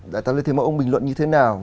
đại tá lê thế mẫu ông bình luận như thế nào